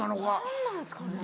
何なんですかね。